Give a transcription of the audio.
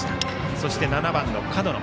そして７番の角野。